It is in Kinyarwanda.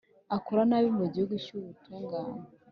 Akora nabi mu gihugu cy’ubutungane,